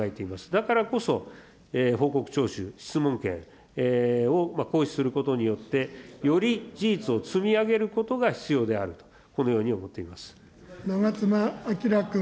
だからこそ、報告徴収、質問権を行使することによって、より事実を積み上げることが必要であると、このように思っていま長妻昭君。